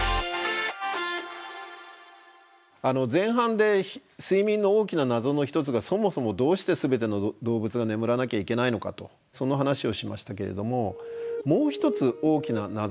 前半で睡眠の大きな謎の一つがそもそもどうして全ての動物が眠らなきゃいけないのかとその話をしましたけれどももう一つ大きな謎があるんですね。